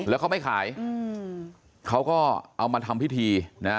แล้วเขาไม่ขายเขาก็เอามาทำพิธีนะฮะ